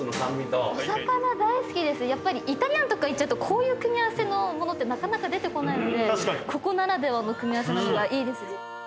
イタリアンとか行っちゃうとこういう組み合わせのものってなかなか出てこないのでここならではの組み合わせなのがいいです。